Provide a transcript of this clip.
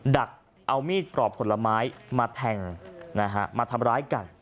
ดักเอามีดปลอกผลไม้มาแทงนะฮะมาทำร้ายกัน